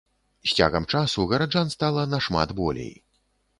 З цягам часу гараджан стала нашмат болей.